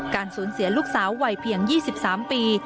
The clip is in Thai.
สูญเสียลูกสาววัยเพียง๒๓ปี